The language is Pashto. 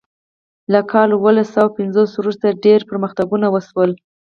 له کال اوولس سوه پنځوس وروسته ډیر پرمختګونه وشول.